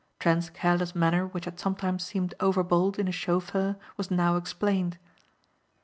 Trent's careless manner which had sometimes seemed overbold in a chauffeur was now explained.